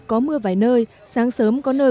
có mưa vài nơi sáng sớm có nơi